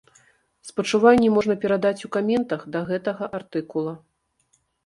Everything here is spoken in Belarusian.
Спачуванні можна перадаць у каментах да гэтага артыкула.